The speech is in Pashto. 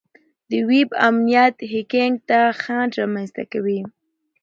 د ویب امنیت هیکینګ ته خنډ رامنځته کوي.